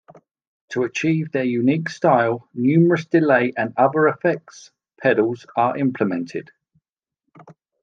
To achieve their unique style, numerous delay and other effects pedals are implemented.